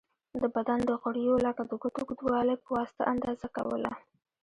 د بدن د غړیو لکه د ګوتو اوږوالی په واسطه اندازه کوله.